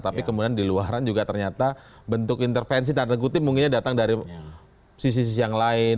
tapi kemudian di luaran juga ternyata bentuk intervensi tanda kutip mungkinnya datang dari sisi sisi yang lain